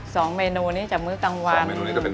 สองเมนูนี้จากมื้อกลางวัน